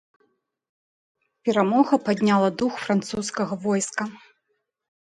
Перамога падняла дух французскага войска.